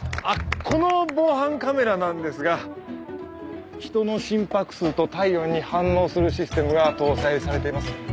あっこの防犯カメラなんですが人の心拍数と体温に反応するシステムが搭載されています。